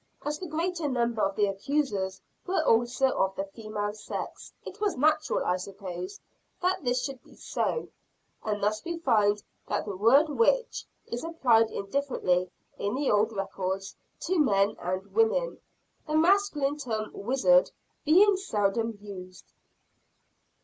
As the greater number of the accusers were also of the female sex, it was natural, I suppose, that this should be so. And thus we find that the word witch is applied indifferently in the old records, to men and women; the masculine term wizard being seldom used.